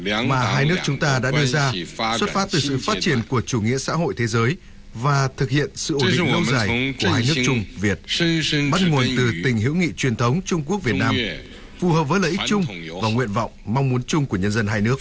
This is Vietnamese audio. mà hai nước chúng ta đã đưa ra xuất phát từ sự phát triển của chủ nghĩa xã hội thế giới và thực hiện sự ủng hộ lâu dài của hai nước trung việt bắt nguồn từ tình hữu nghị truyền thống trung quốc việt nam phù hợp với lợi ích chung và nguyện vọng mong muốn chung của nhân dân hai nước